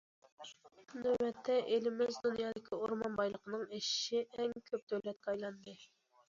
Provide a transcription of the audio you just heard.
نۆۋەتتە، ئېلىمىز دۇنيادىكى ئورمان بايلىقىنىڭ ئېشىشى ئەڭ كۆپ دۆلەتكە ئايلاندى.